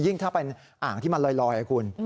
ถ้าเป็นอ่างที่มันลอยคุณ